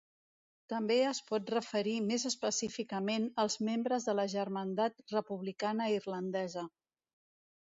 També es pot referir més específicament als membres de la Germandat Republicana Irlandesa.